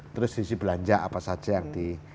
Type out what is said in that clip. terus sisi belanja apa saja yang di